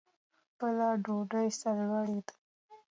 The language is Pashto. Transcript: خپله ډوډۍ سرلوړي ده.